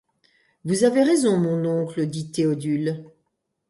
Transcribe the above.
Vous avez raison, mon oncle, dit Théodule.